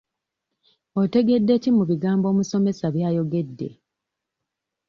Otegedde ki mu bigambo omusomesa by'ayogedde?